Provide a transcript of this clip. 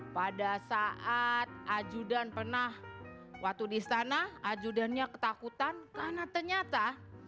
pada saat ajudan pernah waktu di istana ajudannya ketakutan karena ternyata